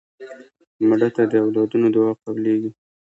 مړه ته د اولادونو دعا قبلیږي